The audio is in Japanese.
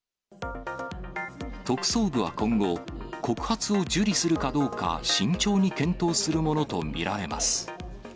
特捜部は今後、告発を受理するかどうか、慎重に検討するものと見られます。